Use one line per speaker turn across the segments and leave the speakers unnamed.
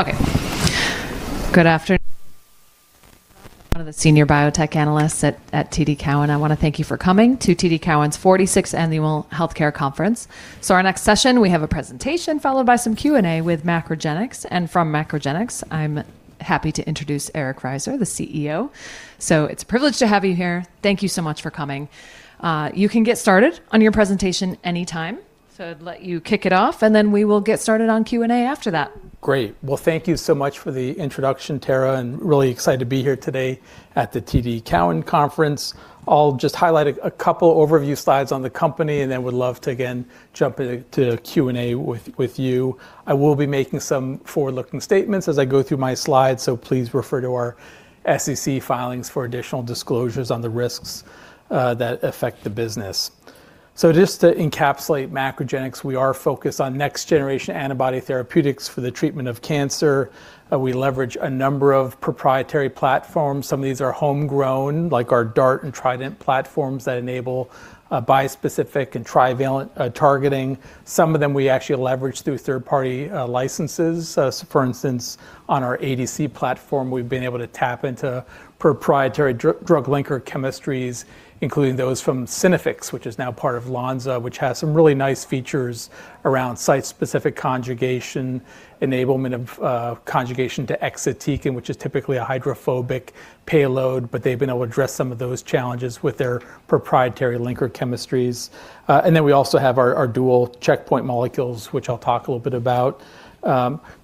Okay. Good afternoon. One of the senior biotech analysts at TD Cowen. I wanna thank you for coming to TD Cowen's 46th Annual Healthcare Conference. Our next session, we have a presentation followed by some Q&A with MacroGenics. From MacroGenics, I'm happy to introduce Eric Risser, the CEO. It's a privilege to have you here. Thank you so much for coming. You can get started on your presentation any time. I'd let you kick it off, and then we will get started on Q&A after that.
Great. Well, thank you so much for the introduction, Tara, really excited to be here today at the TD Cowen conference. I'll just highlight a couple overview slides on the company then would love to again jump into Q&A with you. I will be making some forward-looking statements as I go through my slides, please refer to our SEC filings for additional disclosures on the risks that affect the business. Just to encapsulate MacroGenics, we are focused on next-generation antibody therapeutics for the treatment of cancer. We leverage a number of proprietary platforms. Some of these are homegrown, like our DART and Trident platforms that enable bispecific and trivalent targeting. Some of them we actually leverage through third-party licenses. For instance, on our ADC platform, we've been able to tap into proprietary drug linker chemistries, including those from Synaffix, which is now part of Lonza, which has some really nice features around site-specific conjugation, enablement of conjugation to exatecan, which is typically a hydrophobic payload, but they've been able to address some of those challenges with their proprietary linker chemistries. We also have our dual checkpoint molecules, which I'll talk a little bit about.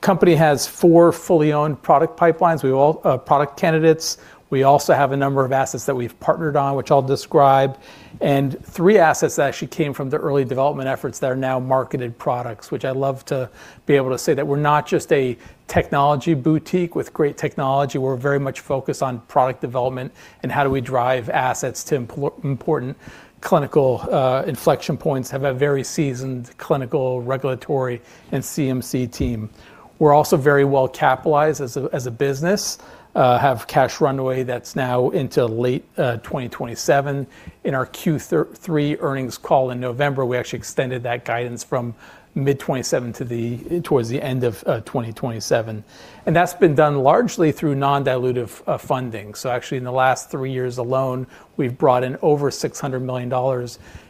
Company has four fully owned product pipelines. We've all product candidates. We also have a number of assets that we've partnered on, which I'll describe, and three assets that actually came from the early development efforts that are now marketed products, which I love to be able to say that we're not just a technology boutique with great technology. We're very much focused on product development and how do we drive assets to important clinical inflection points, have a very seasoned clinical, regulatory, and CMC team. We're also very well capitalized as a business. Have cash runway that's now into late 2027. In our Q3 earnings call in November, we actually extended that guidance from mid 2027 towards the end of 2027. That's been done largely through non-dilutive funding. Actually, in the last three years alone, we've brought in over $600 million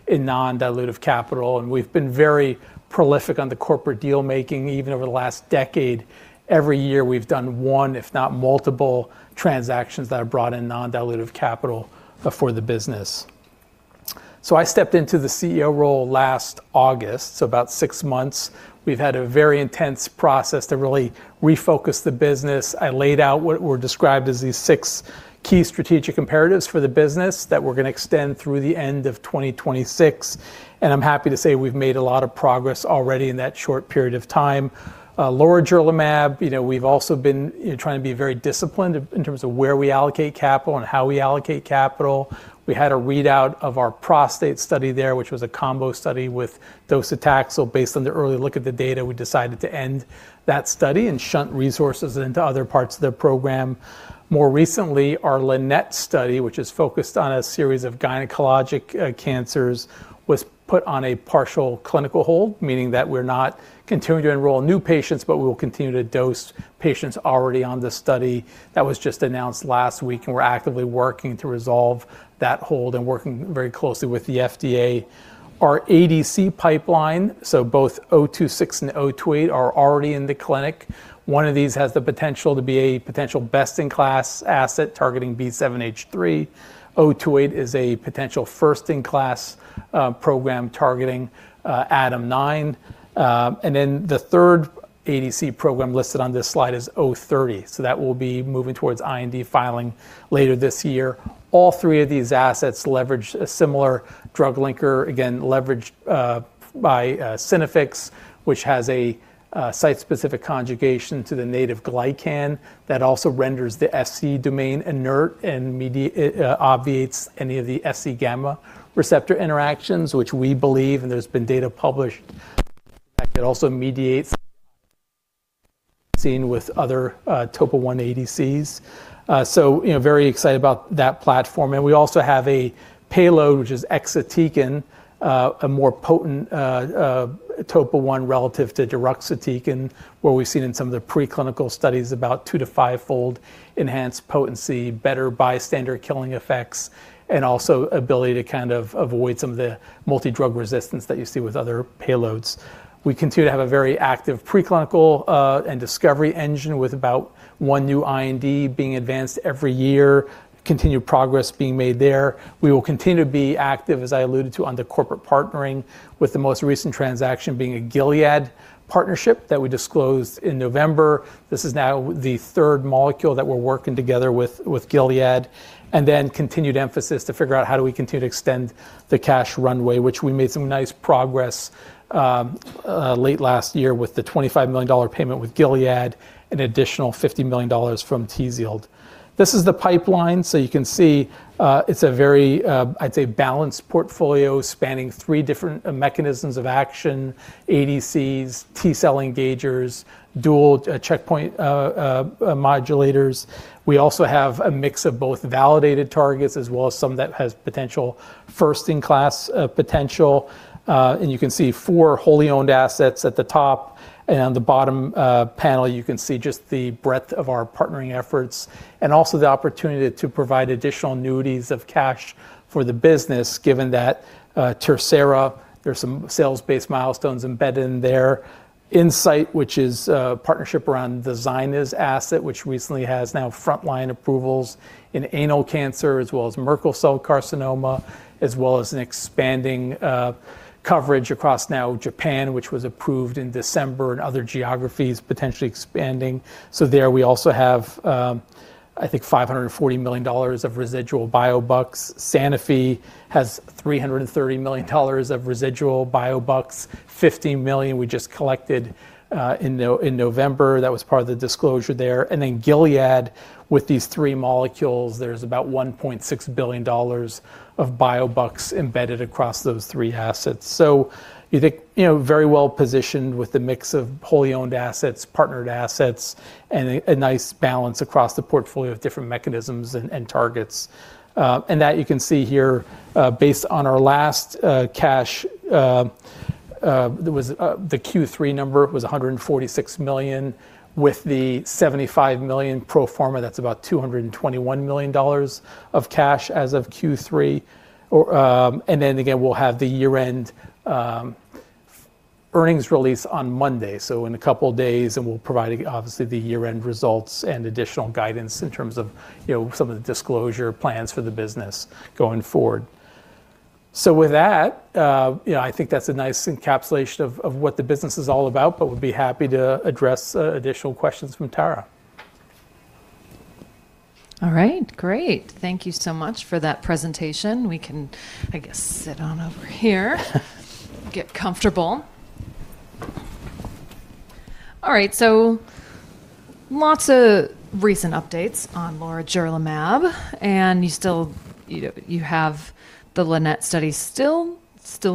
in non-dilutive capital, and we've been very prolific on the corporate deal-making even over the last decade. Every year, we've done one, if not multiple, transactions that have brought in non-dilutive capital for the business. I stepped into the CEO role last August, so about six months. We've had a very intense process to really refocus the business. I laid out what were described as these six key strategic imperatives for the business that we're gonna extend through the end of 2026. I'm happy to say we've made a lot of progress already in that short period of time. lorigerlimab, you know, we've also been, you know, trying to be very disciplined in terms of where we allocate capital and how we allocate capital. We had a readout of our prostate study there, which was a combo study with docetaxel. Based on the early look at the data, we decided to end that study and shunt resources into other parts of the program. More recently, our Linnet study, which is focused on a series of gynecologic cancers, was put on a partial clinical hold, meaning that we're not continuing to enroll new patients, but we will continue to dose patients already on the study. That was just announced last week. We're actively working to resolve that hold and working very closely with the FDA. Our ADC pipeline. Both O26 and O28 are already in the clinic. One of these has the potential to be a potential best-in-class asset targeting B7H3. O28 is a potential first-in-class program targeting ADAM9. The third ADC program listed on this slide is O30. That will be moving towards IND filing later this year. All three of these assets leverage a similar drug linker, again, leveraged by Synaffix, which has a site-specific conjugation to the native glycan that also renders the Fc domain inert and obviates any of the Fc-gamma receptor interactions, which we believe, and there's been data published that could also mediate seen with other Topo 1 ADCs. You know, very excited about that platform. We also have a payload, which is exatecan, a more potent Topo 1 relative to deruxtecan, where we've seen in some of the preclinical studies about two to five-fold enhanced potency, better bystander killing effects, and also ability to kind of avoid some of the multidrug resistance that you see with other payloads. We continue to have a very active preclinical and discovery engine with about one new IND being advanced every year, continued progress being made there. We will continue to be active, as I alluded to, on the corporate partnering with the most recent transaction being a Gilead partnership that we disclosed in November. This is now the third molecule that we're working together with Gilead. Continued emphasis to figure out how do we continue to extend the cash runway, which we made some nice progress late last year with the $25 million payment with Gilead and additional $50 million from Gilead. This is the pipeline. You can see, it's a very, I'd say, balanced portfolio spanning three different mechanisms of action, ADCs, T-cell engagers, dual checkpoint modulators. We also have a mix of both validated targets as well as some that has potential first-in-class potential. You can see four wholly owned assets at the top. On the bottom panel, you can see just the breadth of our partnering efforts and also the opportunity to provide additional annuities of cash for the business, given that Tersera, there's some sales-based milestones embedded in there. Incyte, which is a partnership around the ZYNYZ asset, which recently has now frontline approvals in anal cancer, as well as Merkel cell carcinoma, as well as an expanding coverage across now Japan, which was approved in December, and other geographies potentially expanding. There we also have, I think $540 million of residual biobucks. Sanofi has $330 million of residual biobucks. $50 million we just collected in November. That was part of the disclosure there. Gilead, with these three molecules, there's about $1.6 billion of biobucks embedded across those three assets. I think, you know, very well-positioned with the mix of wholly owned assets, partnered assets, and a nice balance across the portfolio of different mechanisms and targets. That you can see here, based on our last cash, there was the Q3 number was $146 million with the $75 million pro forma, that's about $221 million of cash as of Q3. Then again, we'll have the year-end earnings release on Monday, so in a couple days, and we'll provide obviously the year-end results and additional guidance in terms of, you know, some of the disclosure plans for the business going forward. With that, you know, I think that's a nice encapsulation of what the business is all about, but would be happy to address additional questions from Tara.
All right. Great. Thank you so much for that presentation. We can, I guess, sit on over here. Get comfortable. All right. Lots of recent updates on lorigerlimab, and you still, you know, you have the Linnet study still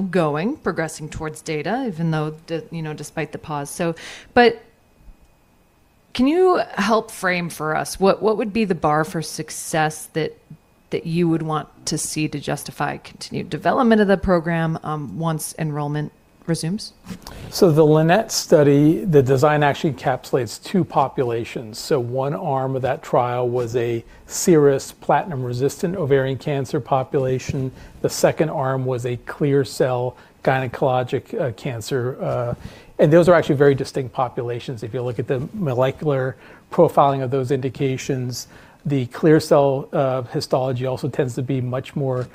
going, progressing towards data, even though you know, despite the pause. But can you help frame for us what would be the bar for success that you would want to see to justify continued development of the program, once enrollment resumes?
The Linnet study, the design actually encapsulates two populations. One arm of that trial was a serious platinum-resistant ovarian cancer population. The second arm was a clear cell gynecologic cancer. Those are actually very distinct populations. If you look at the molecular profiling of those indications, the clear cell histology also tends to be much more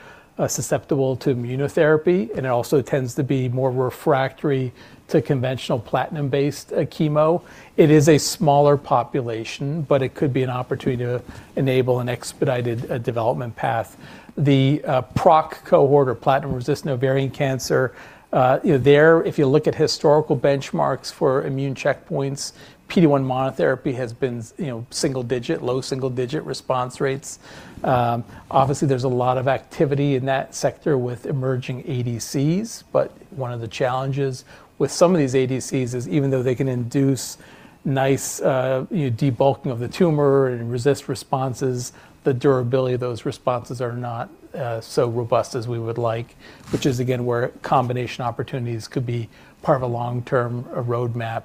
susceptible to immunotherapy, and it also tends to be more refractory to conventional platinum-based chemo. It is a smaller population, but it could be an opportunity to enable an expedited development path. The PROC cohort or platinum-resistant ovarian cancer, you know, there, if you look at historical benchmarks for immune checkpoints, PD-1 monotherapy has been single digit, low single-digit response rates. Obviously there's a lot of activity in that sector with emerging ADCs. One of the challenges with some of these ADCs is even though they can induce nice, you know, debulking of the tumor and resist responses, the durability of those responses are not so robust as we would like, which is again, where combination opportunities could be part of a long-term roadmap.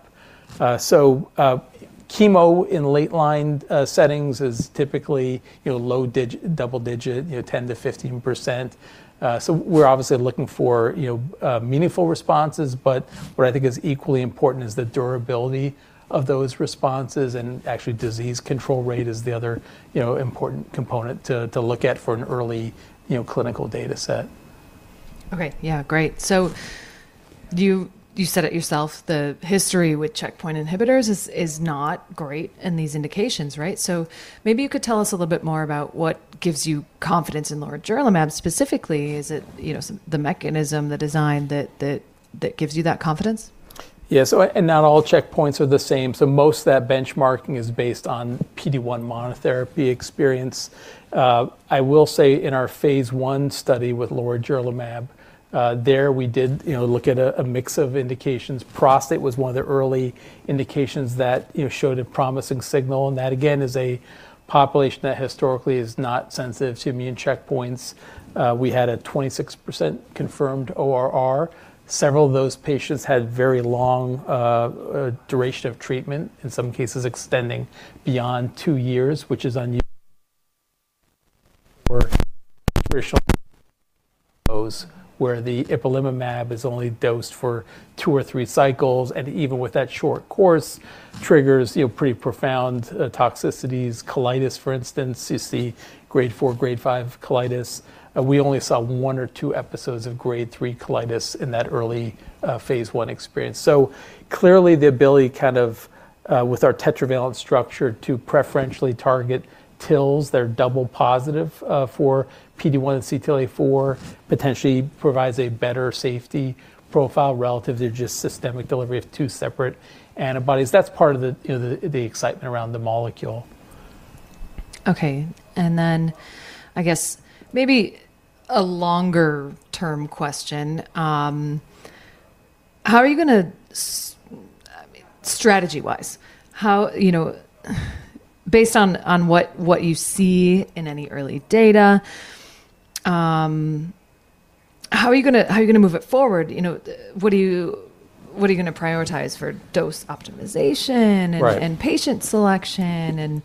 Chemo in late line settings is typically, you know, low double digit, you know, 10%-15%. We're obviously looking for, you know, meaningful responses, but what I think is equally important is the durability of those responses. Actually disease control rate is the other, you know, important component to look at for an early, you know, clinical data set.
Okay. Yeah. Great. You said it yourself, the history with checkpoint inhibitors is not great in these indications, right? Maybe you could tell us a little bit more about what gives you confidence in lorigerlimab specifically. Is it, you know, the mechanism, the design that gives you that confidence?
Not all checkpoints are the same, so most of that benchmarking is based on PD-1 monotherapy experience. I will say in our phase 1 study with lorigerlimab, there we did, you know, look at a mix of indications. Prostate was one of the early indications that, you know, showed a promising signal, and that again, is a population that historically is not sensitive to immune checkpoints. We had a 26% confirmed ORR. Several of those patients had very long duration of treatment, in some cases extending beyond two years, which is unusual for traditional those where the ipilimumab is only dosed for two or three cycles, and even with that short course triggers, you know, pretty profound toxicities. Colitis, for instance, you see grade four, grade five colitis. We only saw one or two episodes of grade three colitis in that early phase 1 experience. Clearly the ability kind of with our tetravalent structure to preferentially target TILS that are double positive for PD-1 and CTLA-4 potentially provides a better safety profile relative to just systemic delivery of two separate antibodies. That's part of the, you know, the excitement around the molecule.
I guess maybe a longer term question. How are you gonna I mean, strategy-wise, how, you know... Based on what you see in any early data, how are you gonna move it forward? You know, what are you gonna prioritize for dose optimization?
Right
Patient selection and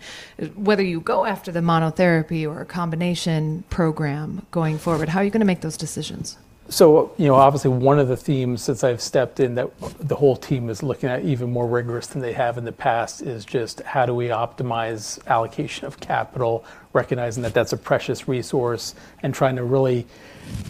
whether you go after the monotherapy or a combination program going forward, how are you gonna make those decisions?
You know, obviously one of the themes since I've stepped in that the whole team is looking at even more rigorous than they have in the past, is just how do we optimize allocation of capital, recognizing that that's a precious resource and trying to really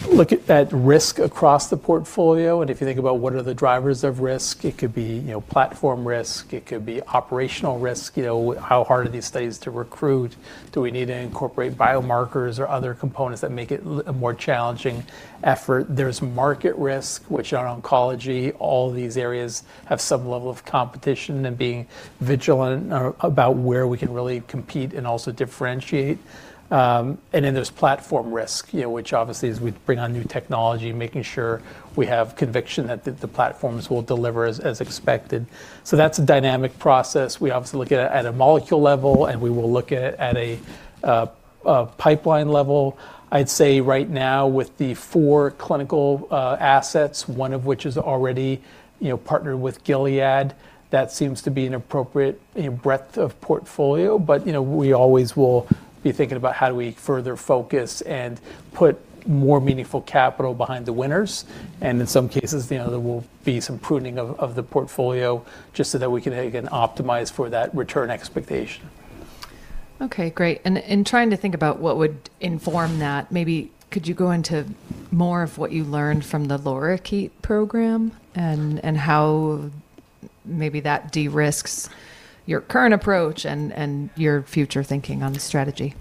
look at that risk across the portfolio. If you think about what are the drivers of risk, it could be, you know, platform risk, it could be operational risk. You know, how hard are these studies to recruit? Do we need to incorporate biomarkers or other components that make it a more challenging effort? There's market risk, which on oncology, all these areas have some level of competition and being vigilant or about where we can really compete and also differentiate. There's platform risk, you know, which obviously as we bring on new technology, making sure we have conviction that the platforms will deliver as expected. That's a dynamic process. We obviously look at it at a molecule level, and we will look at it at a pipeline level. I'd say right now with the four clinical assets, one of which is already, you know, partnered with Gilead, that seems to be an appropriate, you know, breadth of portfolio. You know, we always will be thinking about how do we further focus and put more meaningful capital behind the winners. In some cases, you know, there will be some pruning of the portfolio just so that we can again, optimize for that return expectation.
Okay, great. In trying to think about what would inform that, maybe could you go into more of what you learned from the Lorikeet program and how maybe that de-risks your current approach and your future thinking on the strategy?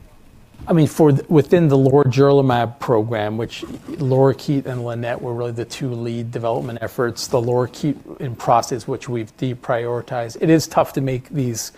I mean, within the lorigerlimab program, which Lorikeet and Linnet were really the two lead development efforts, the Lorikeet in process which we've deprioritized. It is tough to make these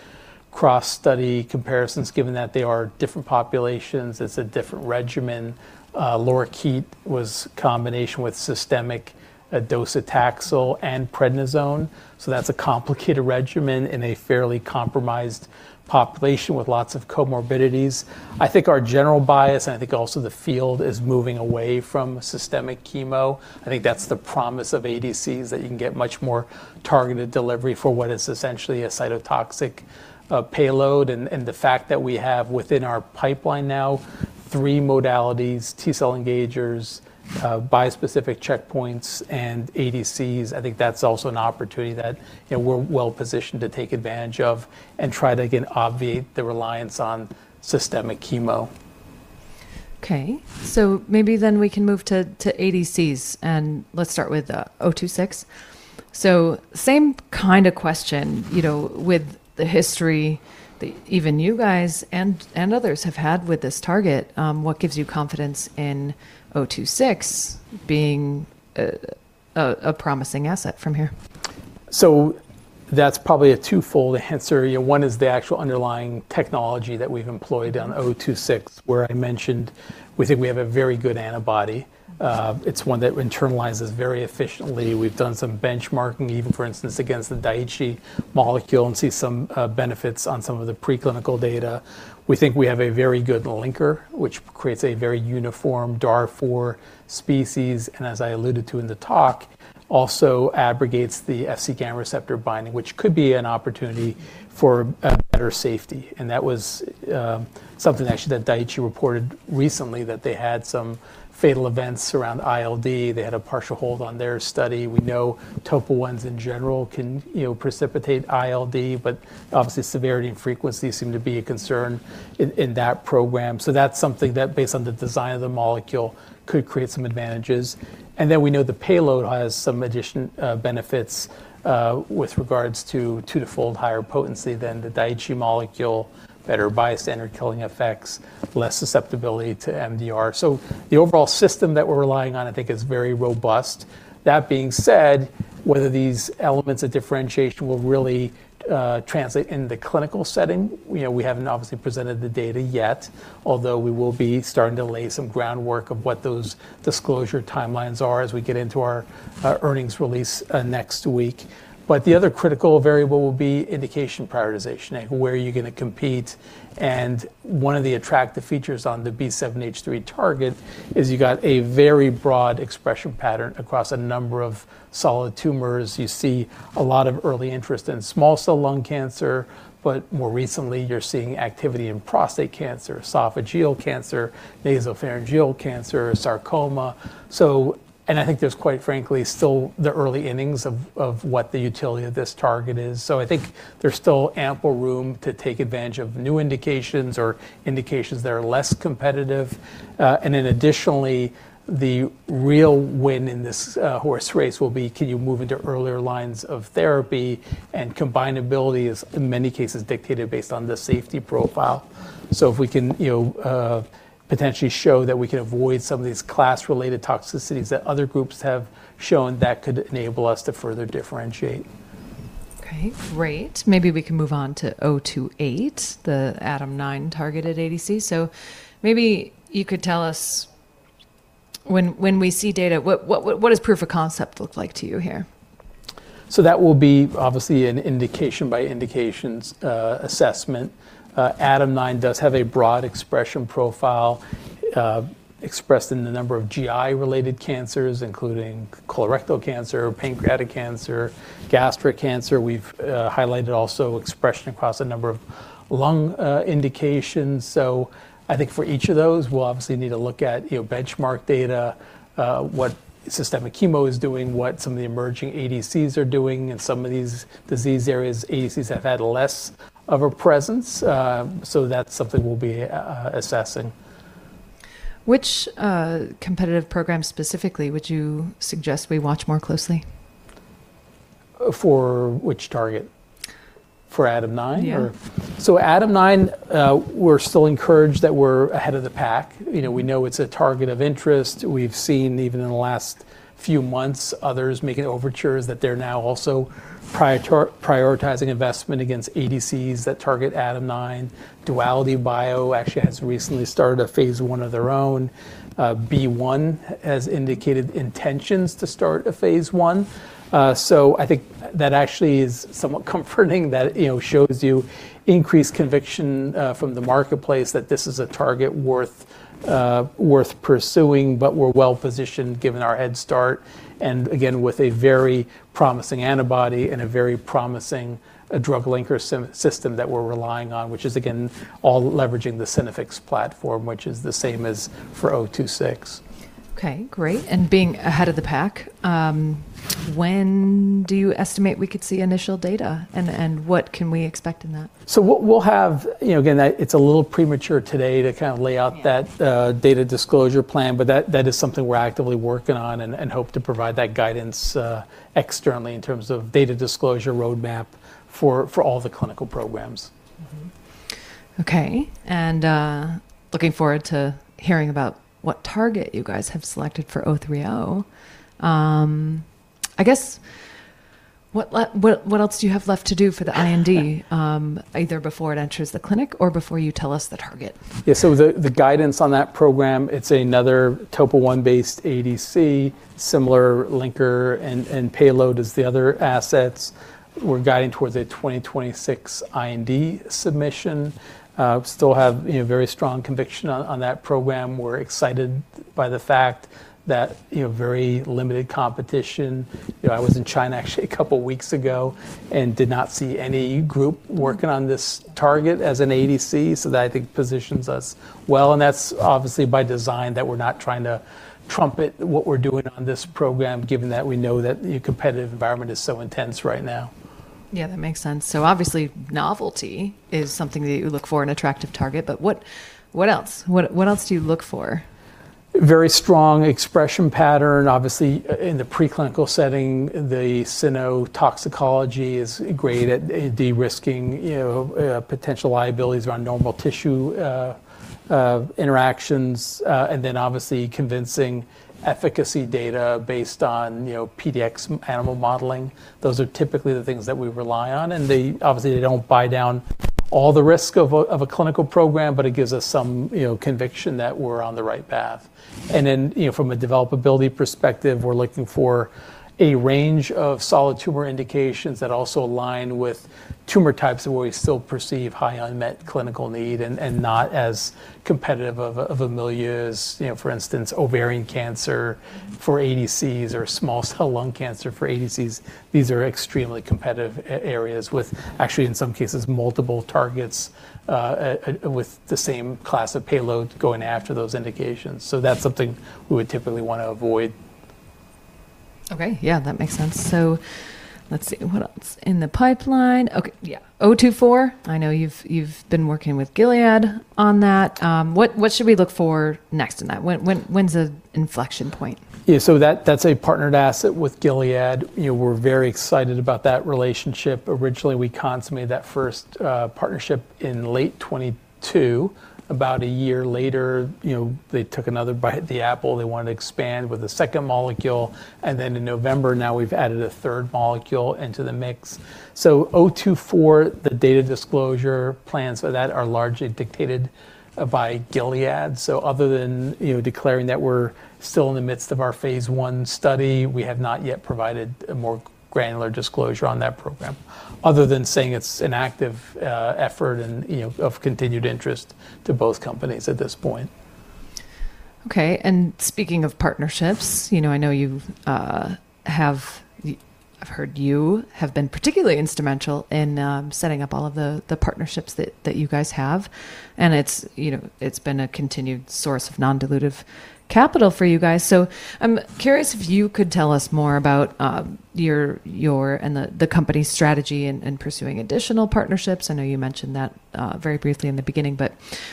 cross-study comparisons given that they are different populations, it's a different regimen. Lorikeet was combination with systemic docetaxel and prednisone. That's a complicated regimen in a fairly compromised population with lots of comorbidities. I think our general bias, and I think also the field, is moving away from systemic chemo. I think that's the promise of ADCs, that you can get much more targeted delivery for what is essentially a cytotoxic payload. The fact that we have within our pipeline now three modalities, T-cell engagers, bispecific checkpoints, and ADCs, I think that's also an opportunity that, you know, we're well-positioned to take advantage of and try to, again, obviate the reliance on systemic chemo.
Okay. Maybe then we can move to ADCs, and let's start with MGC026. Same kind of question, you know, with the history that even you guys and others have had with this target, what gives you confidence in MGC026 being a promising asset from here?
That's probably a twofold answer. You know, one is the actual underlying technology that we've employed on MGC026, where I mentioned we think we have a very good antibody. It's one that internalizes very efficiently. We've done some benchmarking, even, for instance, against the Daiichi molecule, and see some benefits on some of the preclinical data. We think we have a very good linker, which creates a very uniform DAR 4 species, and as I alluded to in the talk, also abrogates the FcγR binding, which could be an opportunity for better safety. That was something actually that Daiichi reported recently, that they had some fatal events around ILD. They had a partial hold on their study. We know topoisomerase inhibitors in general can, you know, precipitate ILD, but obviously, severity and frequency seem to be a concern in that program. That's something that, based on the design of the molecule, could create some advantages. Then we know the payload has some addition, benefits with regards to 2-4 higher potency than the Daiichi molecule, better bias standard killing effects, less susceptibility to MDR. The overall system that we're relying on, I think, is very robust. That being said, whether these elements of differentiation will really translate into the clinical setting, you know, we haven't obviously presented the data yet, although we will be starting to lay some groundwork of what those disclosure timelines are as we get into our earnings release next week. The other critical variable will be indication prioritization, like where are you gonna compete? One of the attractive features on the B7-H3 target is you got a very broad expression pattern across a number of solid tumors. You see a lot of early interest in small cell lung cancer, more recently, you're seeing activity in prostate cancer, esophageal cancer, nasopharyngeal cancer, sarcoma. I think there's, quite frankly, still the early innings of what the utility of this target is. Additionally, the real win in this horse race will be can you move into earlier lines of therapy? Combinability is, in many cases, dictated based on the safety profile. If we can, you know, potentially show that we can avoid some of these class-related toxicities that other groups have shown, that could enable us to further differentiate.
Okay, great. Maybe we can move on to MGC028, the ADAM9-targeted ADC. maybe you could tell us when we see data, what does proof of concept look like to you here?
That will be obviously an indication by indications, assessment. ADAM9 does have a broad expression profile, expressed in the number of GI-related cancers, including colorectal cancer, pancreatic cancer, gastric cancer. We've highlighted also expression across a number of lung indications. I think for each of those, we'll obviously need to look at, you know, benchmark data, what systemic chemo is doing, what some of the emerging ADCs are doing. In some of these disease areas, ADCs have had less of a presence. That's something we'll be assessing.
Which competitive program specifically would you suggest we watch more closely?
For which target? For ADAM9?
Yeah.
ADAM9, we're still encouraged that we're ahead of the pack. You know, we know it's a target of interest. We've seen even in the last few months, others making overtures that they're now also prioritizing investment against ADCs that target ADAM9. DualityBio actually has recently started a phase 1 of their own. B1 has indicated intentions to start a phase 1. I think that actually is somewhat comforting that, you know, shows you increased conviction from the marketplace that this is a target worth pursuing, but we're well-positioned given our head start, and again, with a very promising antibody and a very promising drug linker system that we're relying on, which is again all leveraging the Synaffix platform, which is the same as for MGC026.
Okay, great. Being ahead of the pack, when do you estimate we could see initial data, and what can we expect in that?
we'll have... You know, again, It's a little premature today to kind of lay out
Yeah...
data disclosure plan. That is something we're actively working on and hope to provide that guidance externally in terms of data disclosure roadmap for all the clinical programs.
Okay. Looking forward to hearing about what target you guys have selected for MGC030. I guess what, like, what else do you have left to do for the IND, either before it enters the clinic or before you tell us the target?
The guidance on that program, it's another Topo 1-based ADC, similar linker and payload as the other assets. We're guiding towards a 2026 IND submission. Still have a very strong conviction on that program. We're excited by the fact that, you know, very limited competition. You know, I was in China actually a couple weeks ago and did not see any group working on this target as an ADC. That I think positions us well, and that's obviously by design that we're not trying to trumpet what we're doing on this program, given that we know that the competitive environment is so intense right now.
Yeah, that makes sense. Obviously novelty is something that you look for in an attractive target. What else? What else do you look for?
Very strong expression pattern. Obviously, in the preclinical setting, the cyno toxicology is great at de-risking, you know, potential liabilities around normal tissue interactions. Then obviously convincing efficacy data based on, you know, PDX animal modeling. Those are typically the things that we rely on, and they obviously they don't buy down all the risk of a clinical program, but it gives us some, you know, conviction that we're on the right path. Then, you know, from a develop-ability perspective, we're looking for a range of solid tumor indications that also align with tumor types where we still perceive high unmet clinical need and not as competitive of a milieu as, you know, for instance, ovarian cancer for ADCs or small cell lung cancer for ADCs. These are extremely competitive areas with actually, in some cases, multiple targets, with the same class of payload going after those indications. That's something we would typically wanna avoid.
Okay. Yeah, that makes sense. Let's see, what else? In the pipeline. Okay, yeah. MGD024, I know you've been working with Gilead on that. What should we look for next in that? When's the inflection point?
That's a partnered asset with Gilead. You know, we're very excited about that relationship. Originally, we consummated that first partnership in late 2022. About a year later, you know, they took another bite at the apple. They wanted to expand with a second molecule, and then in November, now we've added a third molecule into the mix. O24, the data disclosure plans for that are largely dictated by Gilead. Other than, you know, declaring that we're still in the midst of our phase 1 study, we have not yet provided a more granular disclosure on that program other than saying it's an active effort and, you know, of continued interest to both companies at this point.
Okay. Speaking of partnerships, you know, I know you, I've heard you have been particularly instrumental in setting up all of the partnerships that you guys have, and it's, you know, it's been a continued source of non-dilutive capital for you guys. I'm curious if you could tell us more about your and the company's strategy in pursuing additional partnerships. I know you mentioned that very briefly in the beginning, but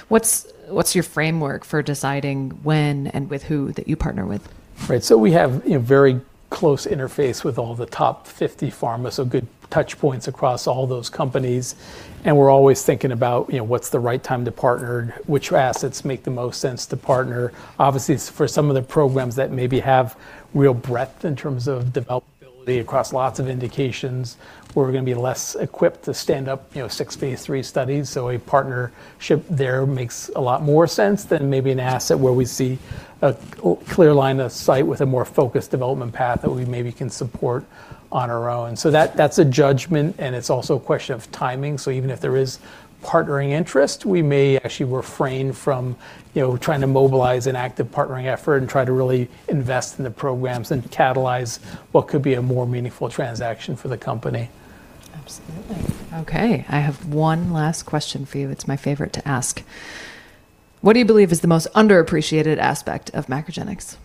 what's your framework for deciding when and with who that you partner with?
Right. We have a very close interface with all the top 50 pharma, so good touchpoints across all those companies, and we're always thinking about, you know, what's the right time to partner, which assets make the most sense to partner. Obviously, it's for some of the programs that maybe have real breadth in terms of developability across lots of indications. We're gonna be less equipped to stand up, you know, six phase 3 studies. A partnership there makes a lot more sense than maybe an asset where we see a clear line of sight with a more focused development path that we maybe can support on our own. That's a judgment, and it's also a question of timing. Even if there is partnering interest, we may actually refrain from, you know, trying to mobilize an active partnering effort and try to really invest in the programs and catalyze what could be a more meaningful transaction for the company.
Absolutely. Okay. I have one last question for you. It's my favorite to ask. What do you believe is the most underappreciated aspect of MacroGenics?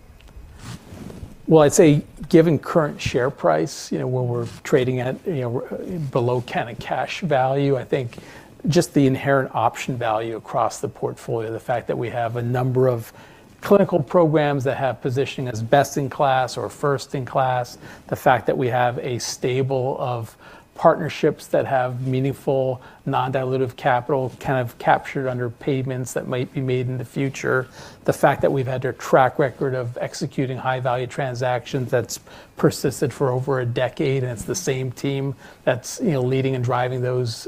Well, I'd say given current share price, you know, where we're trading at, you know, below kind of cash value, I think just the inherent option value across the portfolio, the fact that we have a number of clinical programs that have positioning as best in class or first in class, the fact that we have a stable of partnerships that have meaningful non-dilutive capital kind of captured under payments that might be made in the future. The fact that we've had a track record of executing high value transactions that's persisted for over a decade, it's the same team that's, you know, leading and driving those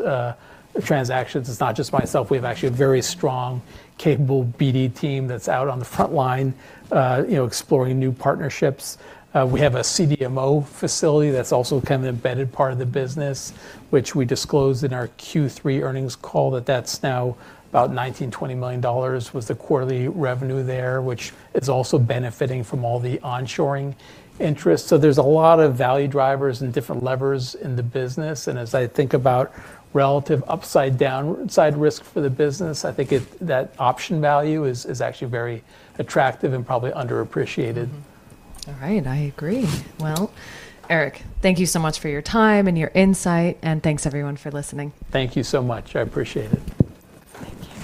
transactions. It's not just myself. We have actually a very strong, capable BD team that's out on the front line, you know, exploring new partnerships. We have a CDMO facility that's also kind of an embedded part of the business, which we disclosed in our Q3 earnings call that that's now about $19 million-$20 million was the quarterly revenue there, which is also benefiting from all the onshoring interest. There's a lot of value drivers and different levers in the business, and as I think about relative upside, downside risk for the business, I think that option value is actually very attractive and probably underappreciated.
All right. I agree. Eric, thank you so much for your time and your insight, and thanks everyone for listening.
Thank you so much. I appreciate it.
Thank you.